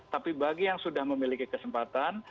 tapi bagi yang sudah memiliki kesempatan